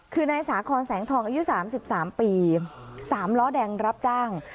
คือในสาขอนแสงทองอายุสามสิบสามปีสามล้อแดงรับจ้าง